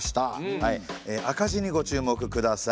赤字にご注目ください。